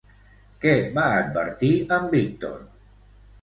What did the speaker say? Què va advertir en Víctor?